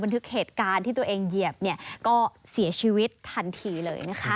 บันทึกเหตุการณ์ที่ตัวเองเหยียบก็เสียชีวิตทันทีเลย